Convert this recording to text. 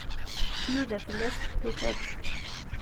Tnuda fell-as, tufa-tt.